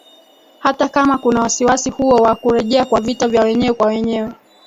hata kama kuna wasiwasi huo wa kurejea kwa vita vya wenyewe kwa wenyewe